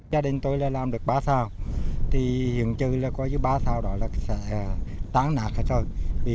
gia đình tôi làm được ba xào thì hiện chứ có những ba xào đó là tán nạt thôi